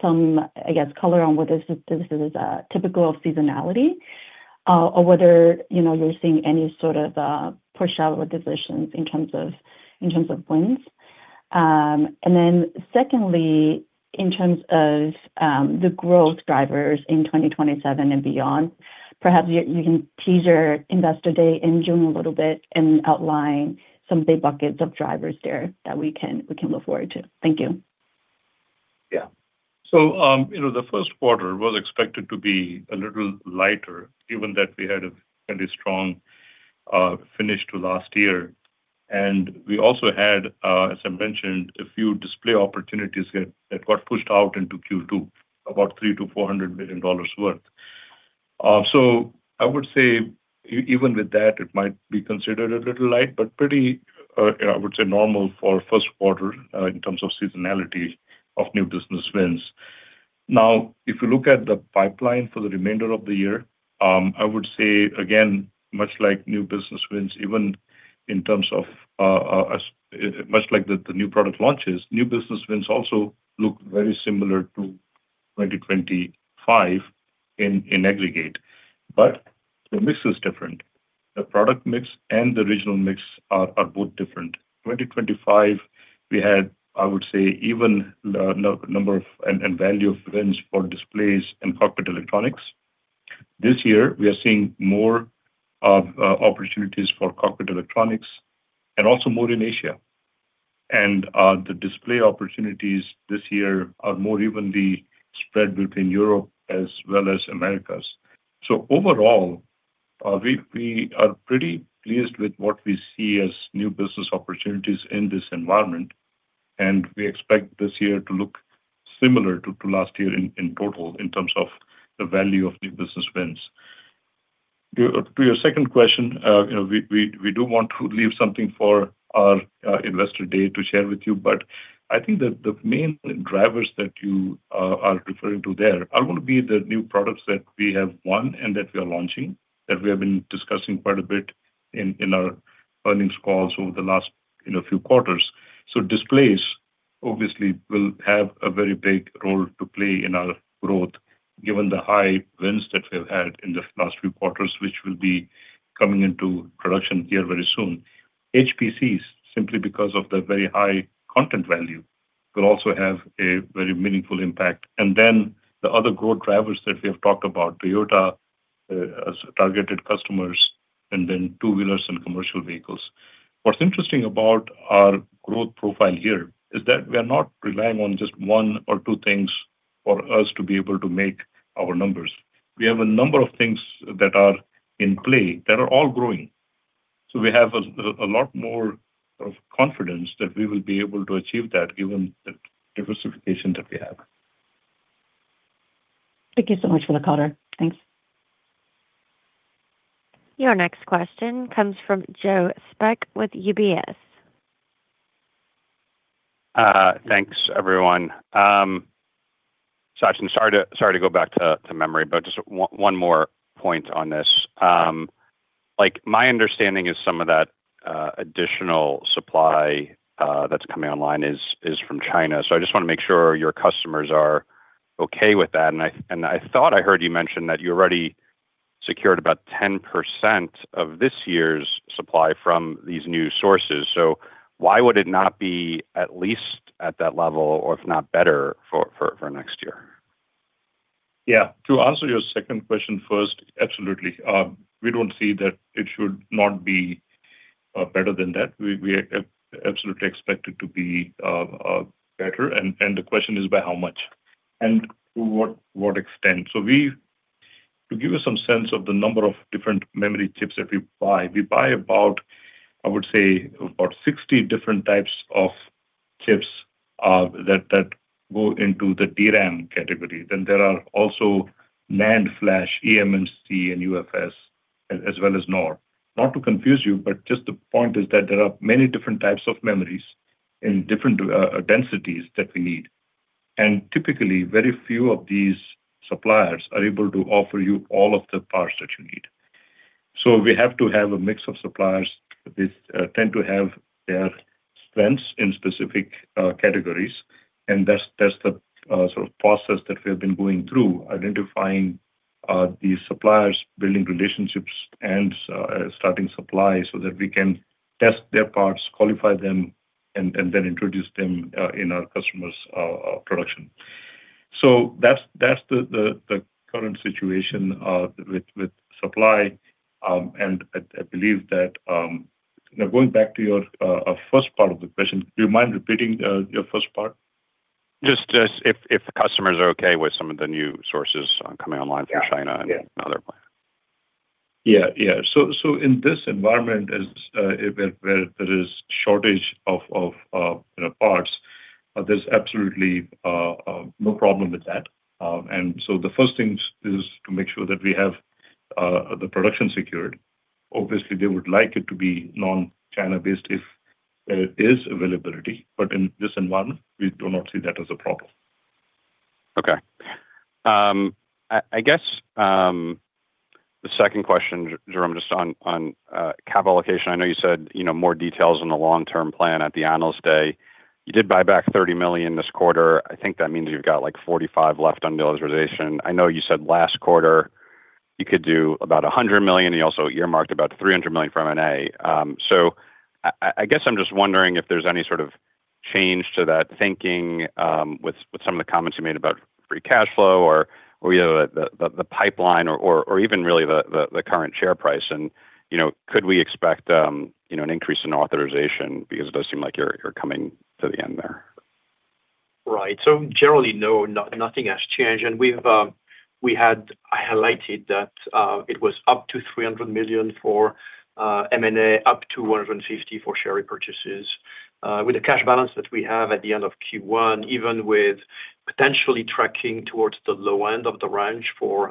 S8: some, I guess, color on whether this is a typical seasonality, or whether you're seeing any sort of pushout or positioning in terms of wins? Secondly, in terms of the growth drivers in 2027 and beyond, perhaps you can tease your investor day in June a little bit and outline some big buckets of drivers there that we can look forward to. Thank you.
S2: Yeah. The first quarter was expected to be a little lighter given that we had a fairly strong finish to last year. We also had, as I mentioned, a few display opportunities that got pushed out into Q2, about $300 million-$400 million worth. I would say even with that, it might be considered a little light, but pretty, I would say normal for first quarter in terms of seasonality of new business wins. Now, if you look at the pipeline for the remainder of the year, I would say again, much like the new product launches, new business wins also look very similar to 2025 in aggregate, but the mix is different. The product mix and the regional mix are both different. In 2025, we had, I would say, even number and value of wins for displays in cockpit electronics. This year we are seeing more of opportunities for cockpit electronics and also more in Asia. The display opportunities this year are more evenly spread between Europe as well as Americas. Overall, we are pretty pleased with what we see as new business opportunities in this environment, and we expect this year to look similar to last year in total in terms of the value of new business wins. To your second question, we do want to leave something for our investor day to share with you, but I think that the main drivers that you are referring to there are going to be the new products that we have won and that we are launching, that we have been discussing quite a bit in our earnings calls over the last few quarters. Displays obviously will have a very big role to play in our growth given the high wins that we've had in the last few quarters, which will be coming into production here very soon. HPC, simply because of the very high content value, will also have a very meaningful impact. The other growth drivers that we have talked about, Toyota as targeted customers, and then two-wheelers and commercial vehicles. What's interesting about our growth profile here is that we are not relying on just one or two things for us to be able to make our numbers. We have a number of things that are in play that are all growing. We have a lot more of confidence that we will be able to achieve that given the diversification that we have.
S8: Thank you so much for the color. Thanks.
S4: Your next question comes from Joe Spak with UBS.
S9: Thanks, everyone. Sachin, sorry to go back to memory, but just one more point on this. My understanding is some of that additional supply that's coming online is from China. I just want to make sure your customers are okay with that. I thought I heard you mention that you already secured about 10% of this year's supply from these new sources. Why would it not be at least at that level or if not better for next year?
S2: Yeah. To answer your second question first, absolutely. We don't see that it should not be better than that. We absolutely expect it to be better and the question is by how much and to what extent. To give you some sense of the number of different memory chips that we buy, we buy about, I would say about 60 different types of chips that go into the DRAM category. Then there are also NAND flash, eMMC and UFS as well as NOR. Not to confuse you, but just the point is that there are many different types of memories in different densities that we need. Typically, very few of these suppliers are able to offer you all of the parts that you need. We have to have a mix of suppliers that tend to have their strengths in specific categories, and that's the sort of process that we have been going through, identifying these suppliers, building relationships, and starting supply so that we can test their parts, qualify them, and then introduce them in our customers' production. That's the current situation with supply. I believe that, going back to your first part of the question, do you mind repeating your first part?
S9: Just if customers are okay with some of the new sources coming online from China and other places.
S2: In this environment where there is shortage of parts, there's absolutely no problem with that. The first thing is to make sure that we have the production secured. Obviously, they would like it to be non-China based if there is availability, but in this environment, we do not see that as a problem.
S9: Okay. I guess the second question, Jerome, just on capital allocation. I know you said more details on the long-term plan at the Analyst Day. You did buy back $30 million this quarter. I think that means you've got $45 million left on authorization. I know you said last quarter you could do about $100 million, and you also earmarked about $300 million for M&A. I guess I'm just wondering if there's any sort of change to that thinking, with some of the comments you made about free cash flow or the pipeline or even really the current share price and could we expect an increase in authorization? Because it does seem like you're coming to the end there.
S3: Right. Generally, no, nothing has changed. We had highlighted that it was up to $300 million for M&A, up to $150 million for share repurchases. With the cash balance that we have at the end of Q1, even with potentially tracking towards the low end of the range for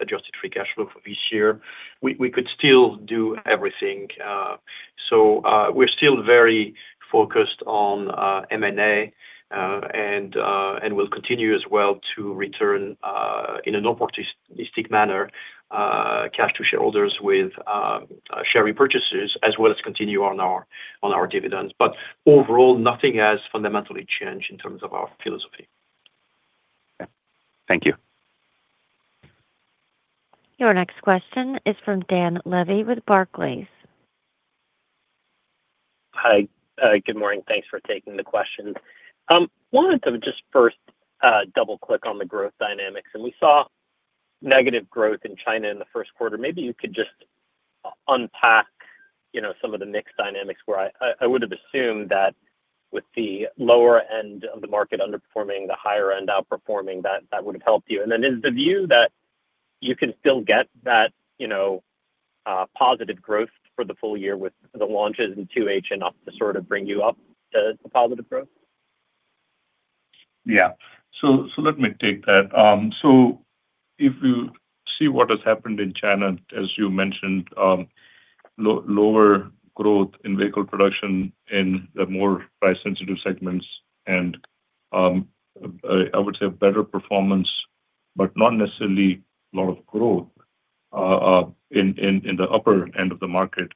S3: adjusted free cash flow for this year, we could still do everything. We're still very focused on M&A, and we'll continue as well to return, in an opportunistic manner, cash to shareholders with share repurchases as well as continue on our dividends. Overall, nothing has fundamentally changed in terms of our philosophy.
S9: Okay. Thank you.
S4: Your next question is from Dan Levy with Barclays.
S10: Hi. Good morning. Thanks for taking the question. I wanted to just first double-click on the growth dynamics. We saw negative growth in China in the first quarter. Maybe you could just unpack some of the mix dynamics where I would've assumed that with the lower end of the market underperforming, the higher end outperforming, that would've helped you. Is the view that you can still get that positive growth for the full year with the launches in 2H enough to sort of bring you up to the positive growth?
S2: Yeah. Let me take that. If you see what has happened in China, as you mentioned, lower growth in vehicle production in the more price-sensitive segments and I would say a better performance, but not necessarily a lot of growth in the upper end of the market.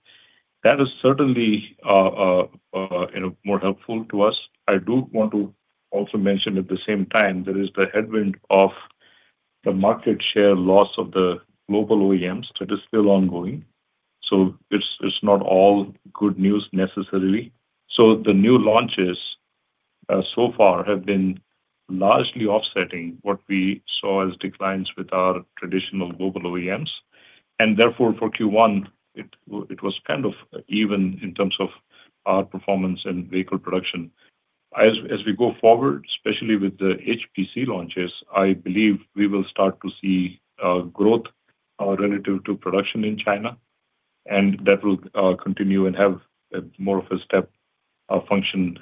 S2: That is certainly more helpful to us. I do want to also mention at the same time, there is the headwind of the market share loss of the global OEMs that is still ongoing. It's not all good news, necessarily. The new launches, so far, have been largely offsetting what we saw as declines with our traditional global OEMs. Therefore, for Q1, it was kind of even in terms of our performance and vehicle production. As we go forward, especially with the HPC launches, I believe we will start to see growth relative to production in China, and that will continue and have more of a step function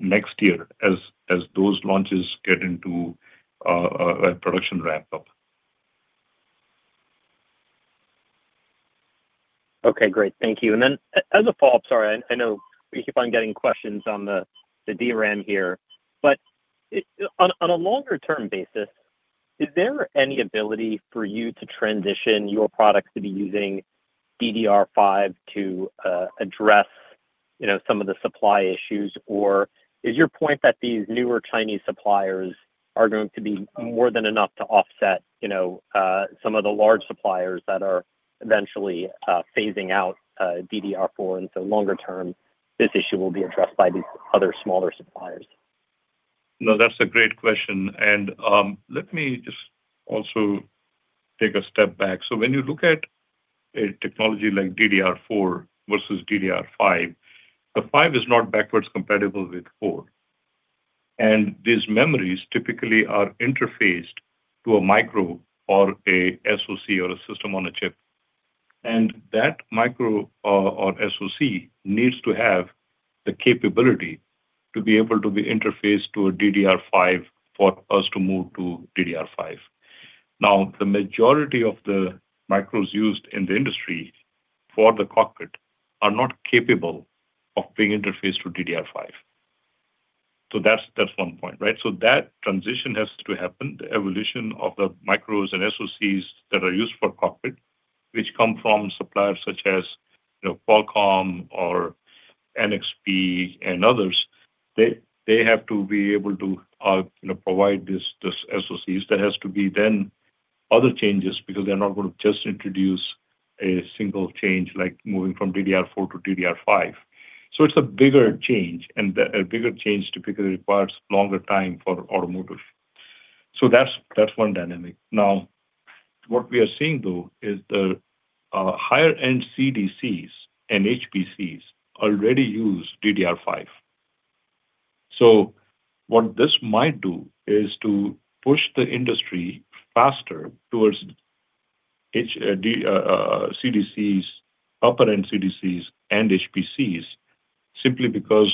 S2: next year as those launches get into a production ramp-up.
S10: Okay, great. Thank you. As a follow-up, sorry, I know we keep on getting questions on the DRAM here. On a longer-term basis, is there any ability for you to transition your products to be using DDR5 to address some of the supply issues? Is your point that these newer Chinese suppliers are going to be more than enough to offset some of the large suppliers that are eventually phasing out DDR4, and so longer term, this issue will be addressed by these other smaller suppliers?
S2: No, that's a great question, and let me just also take a step back. When you look at a technology like DDR4 versus DDR5, the five is not backwards compatible with four. These memories typically are interfaced to a micro or a SoC or a system on a chip. That micro or SoC needs to have the capability to be able to be interfaced to a DDR5 for us to move to DDR5. Now, the majority of the micros used in the industry for the cockpit are not capable of being interfaced to DDR5. That's one point, right? That transition has to happen. The evolution of the micros and SoCs that are used for cockpit, which come from suppliers such as Qualcomm or NXP and others, they have to be able to provide these SoCs. There has to be then other changes because they're not going to just introduce a single change like moving from DDR4 to DDR5. It's a bigger change, and a bigger change typically requires longer time for automotive. That's one dynamic. Now, what we are seeing, though, is the higher-end CDCs and HPCs already use DDR5. What this might do is to push the industry faster towards HPCs, upper-end CDCs, and HPCs simply because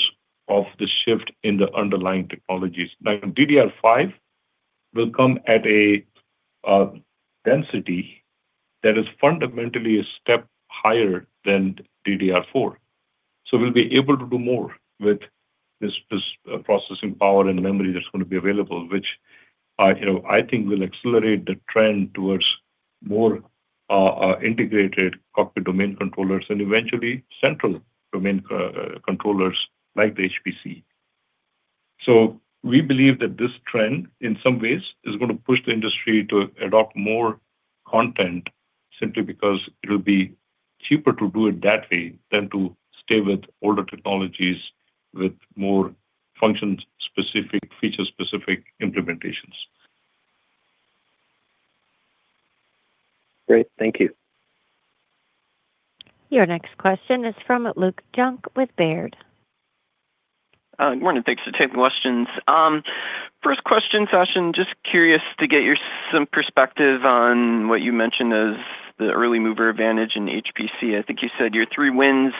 S2: of the shift in the underlying technologies. Now, DDR5 will come at a density that is fundamentally a step higher than DDR4. We'll be able to do more with this processing power and the memory that's going to be available, which I think will accelerate the trend towards more integrated cockpit domain controllers, and eventually central domain controllers like the HPC. We believe that this trend, in some ways, is going to push the industry to adopt more content simply because it'll be cheaper to do it that way than to stay with older technologies with more function-specific, feature-specific implementations.
S10: Great. Thank you.
S4: Your next question is from Luke Junk with Baird.
S11: Good morning. Thanks for taking the questions. First question, Sachin, just curious to get some perspective on what you mentioned as the early mover advantage in HPC. I think you said your three wins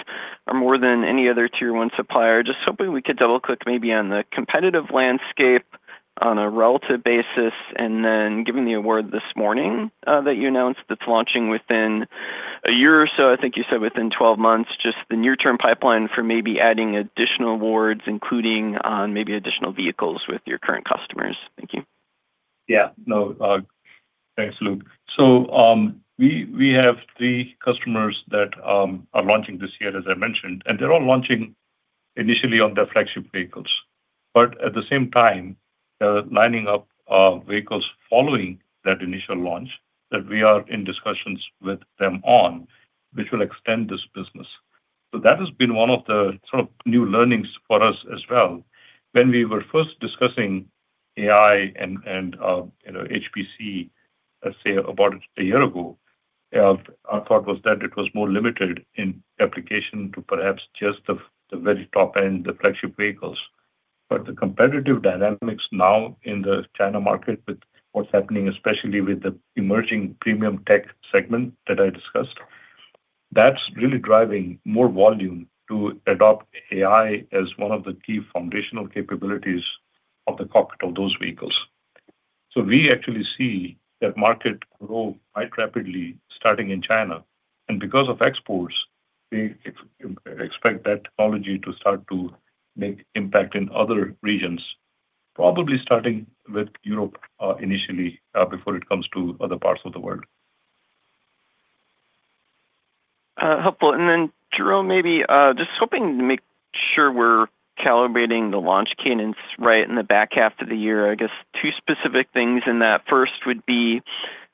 S11: are more than any other tier one supplier. Just hoping we could double-click maybe on the competitive landscape on a relative basis, and then given the award this morning that you announced that's launching within a year or so, I think you said within 12 months, just the near-term pipeline for maybe adding additional awards, including on maybe additional vehicles with your current customers. Thank you.
S2: Yeah. No. Thanks, Luke. We have three customers that are launching this year, as I mentioned, and they're all launching initially on their flagship vehicles. At the same time, they're lining up vehicles following that initial launch that we are in discussions with them on, which will extend this business. That has been one of the sort of new learnings for us as well. When we were first discussing AI and HPC, let's say about a year ago, our thought was that it was more limited in application to perhaps just the very top-end, the flagship vehicles. The competitive dynamics now in the China market with what's happening, especially with the emerging premium tech segment that I discussed, that's really driving more volume to adopt AI as one of the key foundational capabilities of the cockpit of those vehicles. We actually see that market grow quite rapidly starting in China. Because of exports, we expect that technology to start to make impact in other regions, probably starting with Europe, initially, before it comes to other parts of the world.
S11: Helpful. Then Jerome, maybe, just hoping to make sure we're calibrating the launch cadence right in the back half of the year. I guess two specific things in that. First would be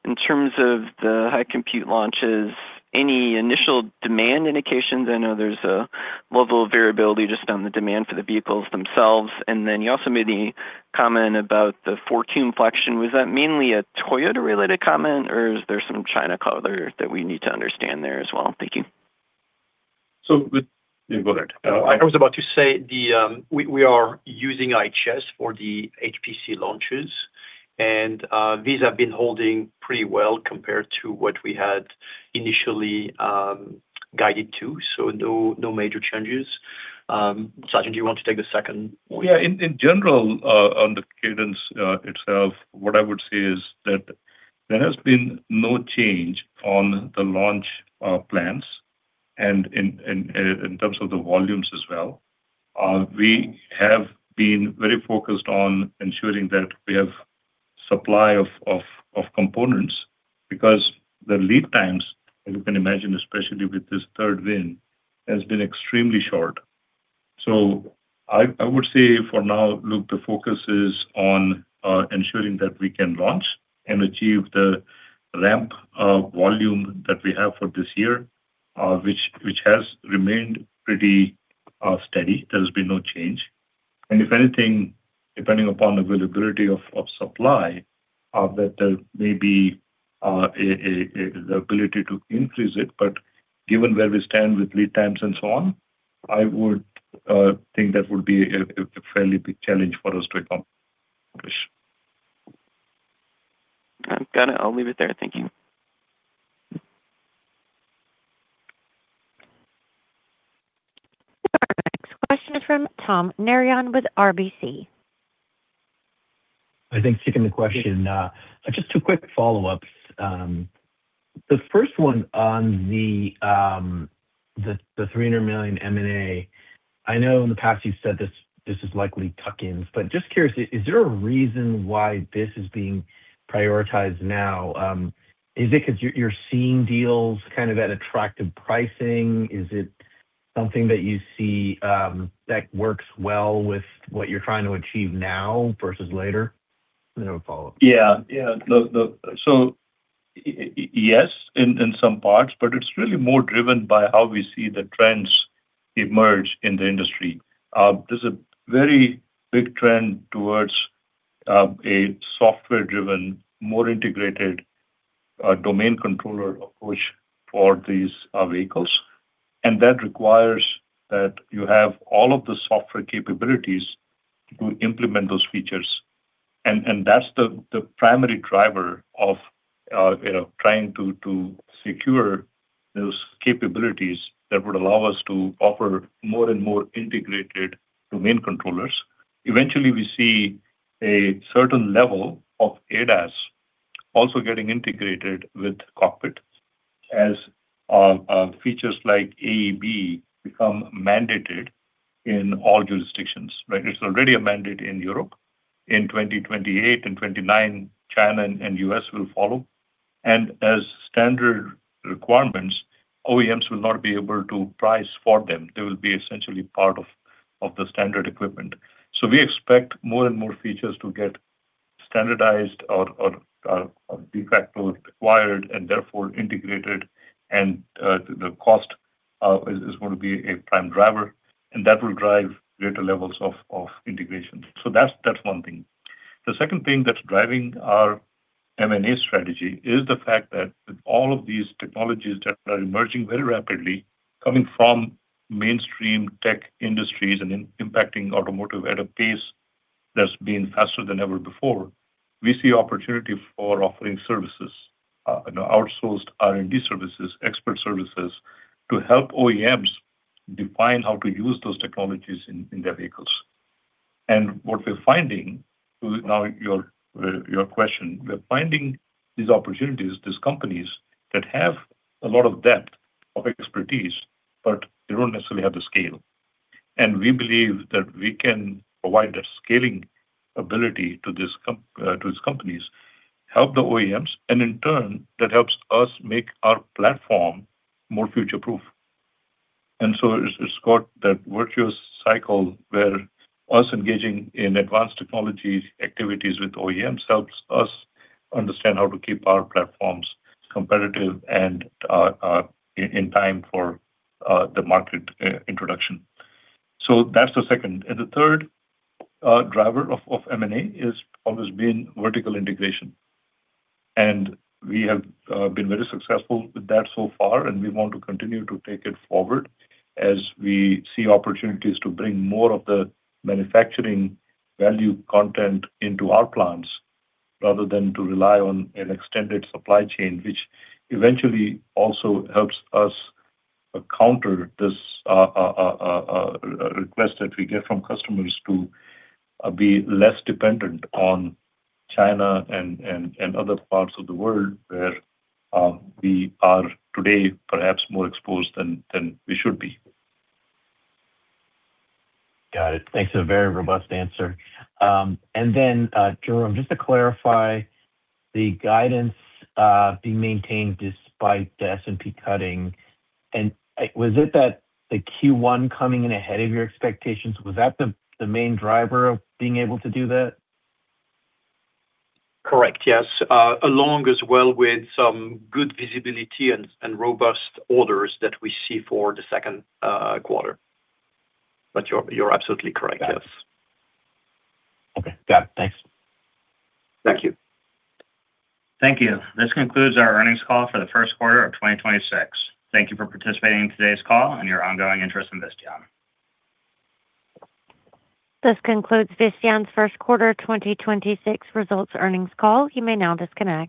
S11: in terms of the high compute launches, any initial demand indications? I know there's a level of variability just on the demand for the vehicles themselves. Then you also made the comment about the foreign exchange fluctuation. Was that mainly a Toyota-related comment, or is there some China color that we need to understand there as well? Thank you.
S3: You got it. I was about to say, we are using IHS for the HPC launches, and these have been holding pretty well compared to what we had initially guided to. No major changes. Sachin, do you want to take the second?
S2: Yeah. In general, on the cadence itself, what I would say is that there has been no change on the launch plans and in terms of the volumes as well. We have been very focused on ensuring that we have supply of components because the lead times, as you can imagine, especially with this third win, has been extremely short. So I would say for now, Luke, the focus is on ensuring that we can launch and achieve the ramp of volume that we have for this year, which has remained pretty steady. There's been no change. If anything, depending upon availability of supply, that there may be the ability to increase it, but given where we stand with lead times and so on, I would think that would be a fairly big challenge for us to accomplish.
S11: I've got it. I'll leave it there. Thank you.
S4: Our next question is from Tom Narayan with RBC.
S12: Thanks. Sticking to the question. Just two quick follow-ups. The first one on the $300 million M&A. I know in the past you've said this is likely tuck-ins, but just curious, is there a reason why this is being prioritized now? Is it because you're seeing deals kind of at attractive pricing? Is it something that you see that works well with what you're trying to achieve now versus later? A follow-up.
S2: Yeah. Yes, in some parts, but it's really more driven by how we see the trends emerge in the industry. There's a very big trend towards a software-driven, more integrated domain controller approach for these vehicles. That requires that you have all of the software capabilities to implement those features. That's the primary driver of trying to secure those capabilities that would allow us to offer more and more integrated domain controllers. Eventually, we see a certain level of ADAS also getting integrated with cockpit as features like AEB become mandated in all jurisdictions, right? It's already a mandate in Europe. In 2028 and 2029, China and U.S. will follow. As standard requirements, OEMs will not be able to price for them. They will be essentially part of the standard equipment. We expect more and more features to get standardized or de facto Required and therefore integrated. The cost is going to be a prime driver, and that will drive greater levels of integration. That's one thing. The second thing that's driving our M&A strategy is the fact that with all of these technologies that are emerging very rapidly, coming from mainstream tech industries and impacting automotive at a pace that's been faster than ever before, we see opportunity for offering services, outsourced R&D services, expert services, to help OEMs define how to use those technologies in their vehicles. What we're finding, now your question, we're finding these opportunities, these companies that have a lot of depth of expertise, but they don't necessarily have the scale. We believe that we can provide that scaling ability to these companies, help the OEMs, and in turn, that helps us make our platform more future-proof. It's got that virtuous cycle where us engaging in advanced technologies activities with OEMs helps us understand how to keep our platforms competitive and in time for the market introduction. That's the second. The third driver of M&A has always been vertical integration. We have been very successful with that so far, and we want to continue to take it forward as we see opportunities to bring more of the manufacturing value content into our plants, rather than to rely on an extended supply chain. Which eventually also helps us counter this request that we get from customers to be less dependent on China and other parts of the world, where we are today perhaps more exposed than we should be.
S12: Got it. Thanks for a very robust answer. Jerome, just to clarify, the guidance being maintained despite the S&P cutting, was it that the Q1 coming in ahead of your expectations, was that the main driver of being able to do that?
S3: Correct, yes. Along as well with some good visibility and robust orders that we see for the second quarter. You're absolutely correct, yes.
S12: Okay, got it. Thanks.
S3: Thank you.
S1: Thank you. This concludes our earnings call for the first quarter of 2026. Thank you for participating in today's call and your ongoing interest in Visteon.
S4: This concludes Visteon's first quarter 2026 results earnings call. You may now disconnect.